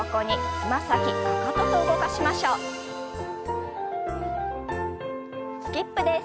スキップです。